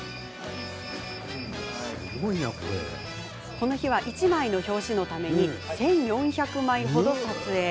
この日は１枚の表紙のために１４００枚ほど撮影。